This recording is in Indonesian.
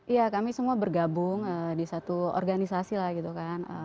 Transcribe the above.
iya kami semua bergabung di satu organisasi lah gitu kan